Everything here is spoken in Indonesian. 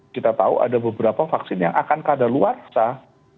kita tahu ada beberapa vaksin yang akan keadaan luar sah